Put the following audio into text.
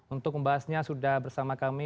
untuk membahasnya sudah bersama kami